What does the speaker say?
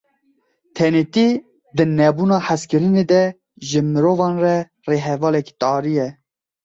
Tenêtî, di nebûna hezkirinê de ji mirovan re rêhevalekî tarî ye.